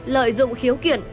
lợi dụng khiếu kiện